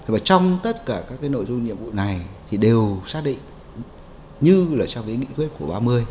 và trong tất cả các nội dung nhiệm vụ này thì đều xác định như là trong nghị quyết của ba mươi